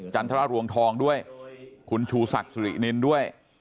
ทรวงทองด้วยคุณชูศักดิ์สุรินินด้วย